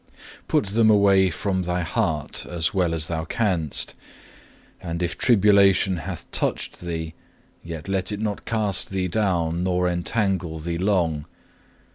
2. "Put them away from thy heart as well as thou canst, and if tribulation hath touched thee, yet let it not cast thee down nor entangle thee long.